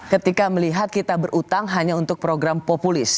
ketika melihat kita berutang hanya untuk program populis